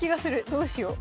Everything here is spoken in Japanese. どうしよう。